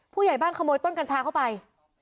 ผู้ใหญ่บ้านขโมยต้นกัญชาเข้าไป